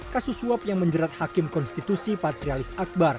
kasus suap yang menjerat hakim konstitusi patrialis akbar